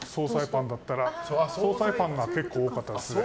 総菜パンが結構多かったですね。